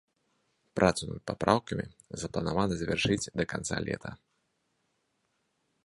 Працу над папраўкамі запланавана завяршыць да канца лета.